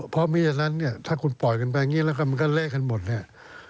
เพราะไม่อย่างนั้นเนี่ยถ้าคุณปล่อยกันแบบนี้แล้วก็เละกันหมดเนี่ย